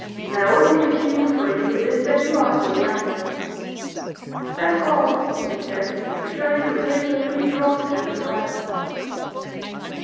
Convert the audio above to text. My only excuse for you is that you are so young._' "That's all," he said, returning the paper to be dropped into the fire.